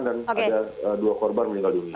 dan ada dua korban meninggal dunia